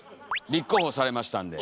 立候補されましたんで。